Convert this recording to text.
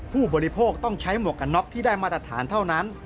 ผู้บริโภคต้องใช้หมวกกันน็อกที่ได้มาตรฐานเท่านั้น